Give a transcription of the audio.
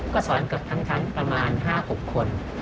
ก็สอนกับทั้งประมาณ๕๖คน